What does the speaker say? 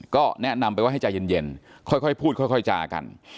ก็แนะนำไปว่าให้ใจเย็นค่อยพูดค่อยจากัน